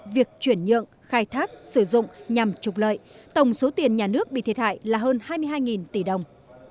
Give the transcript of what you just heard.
việc chuyển nhượng khai thác sử dụng nhằm trục lợi tổng số tiền nhà nước bị thiệt hại là hơn hai mươi hai tỷ đồng